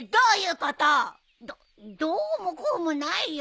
どっどうもこうもないよ。